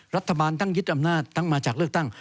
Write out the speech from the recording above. รัฐบาลตั้งคิดอำนาจมาจากเลือกตั้ง